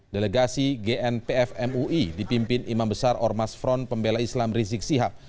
delegasi gnpf mui dipimpin imam besar ormas front pembela islam rizik sihab